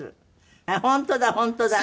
あっ本当だ本当だ！